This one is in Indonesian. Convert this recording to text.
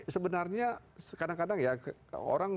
sebenarnya kadang kadang ya orang